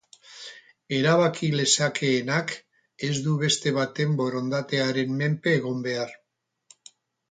Erabaki lezakeenak, ez du beste baten borondatearen menpe egon behar.